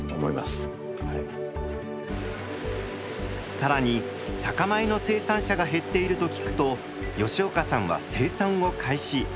更に酒米の生産者が減っていると聞くと吉岡さんは生産を開始。